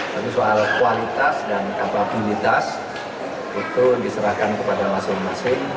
tapi soal kualitas dan kapabilitas itu diserahkan kepada masing masing